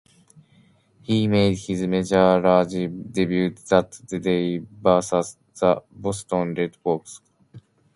He made his major league debut that day versus the Boston Red Sox.